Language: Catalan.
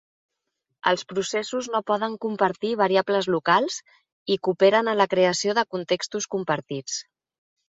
Els processos no poden compartir variables "locals" i cooperen en la creació de contextos compartits.